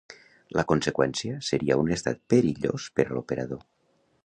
La conseqüència seria un estat perillós per a l'operador.